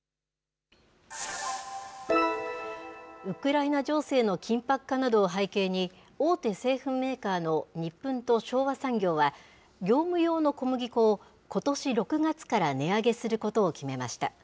ウクライナ情勢の緊迫化などを背景に、大手製粉メーカーのニップンと昭和産業は、業務用の小麦粉をことし６月から値上げすることを決めました。